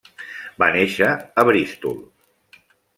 Va néixer a Bristol.